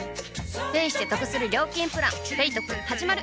ペイしてトクする料金プラン「ペイトク」始まる！